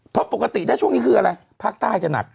เพราะปกติถ้าช่วงนี้คืออะไรภาคใต้จะหนัก